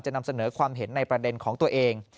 นำเสนอความเห็นในประเด็นของตัวเอง